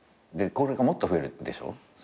で後輩がもっと増えるでしょ？